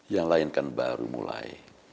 yang lain kan baru mulai